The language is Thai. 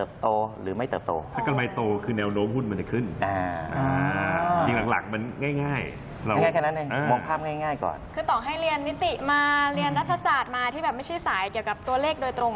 คือต่อให้เรียนนิติมาเรียนรัฐศาสตร์มาที่แบบไม่ใช่สายเกี่ยวกับตัวเลขโดยตรง